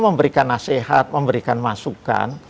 memberikan nasihat memberikan masukan